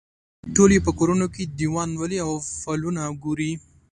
ټول یې په کورونو کې دیوان لولي او فالونه ګوري.